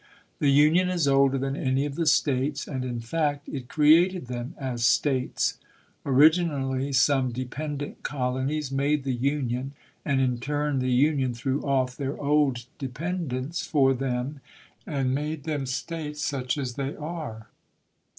The Union is older than any of the States, and, in fact, it created them as States. Originally, some dependent col onies made the Union, and, in turn, the Union threw off theii' old dependence for them, and made them States, such as they are.